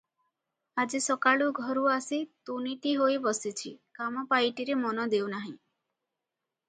ଆଜି ସକାଳୁ ଘରୁ ଆସି ତୁନିଟି ହୋଇ ବସିଛି, କାମ ପାଇଟିରେ ମନ ଦେଉ ନାହିଁ ।